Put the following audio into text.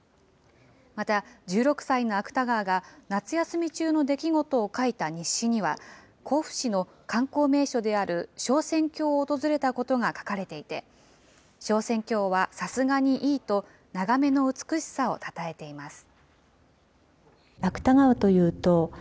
また、１６歳の芥川が夏休み中の出来事を書いた日誌には、甲府市の観光名所である昇仙峡を訪れたことが書かれていて、昇仙峡はさすがにいいと、眺めの美しさをたたえています。